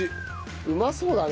うまそうだね